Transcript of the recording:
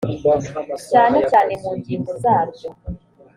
cyane cyane mu ngingo zaryo